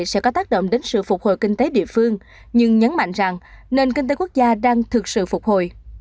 sẽ có tác động đến sự phục hồi kinh tế địa phương nhưng nhấn mạnh rằng nền kinh tế quốc gia đang thực sự phục hồi